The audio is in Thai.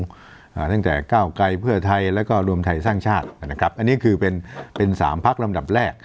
อ่าตั้งแต่เก้าไกลเพื่อไทยแล้วก็รวมไทยสร้างชาตินะครับอันนี้คือเป็นเป็นสามพักลำดับแรก